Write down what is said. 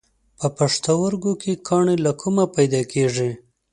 په پښتورګو کې کاڼي له کومه پیدا کېږي؟